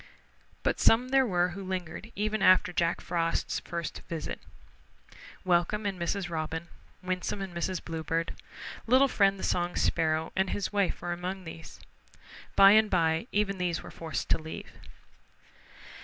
But some there were who lingered even after Jack Frost's first visit. Welcome and Mrs. Robin, Winsome and Mrs. Bluebird. Little Friend the Song Sparrow and his wife were among these. By and by even they were forced to leave.